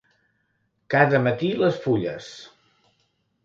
Cada matí les fulles.